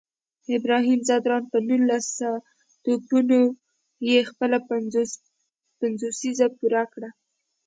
ابراهیم ځدراڼ په نولس توپونو یې خپله پنځوسیزه پوره کړه